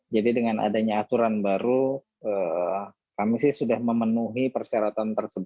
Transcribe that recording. jadi dengan adanya aturan baru kami sih sudah memenuhi persyaratan tersebut